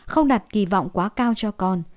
không đặt kỳ vọng quá cao cho con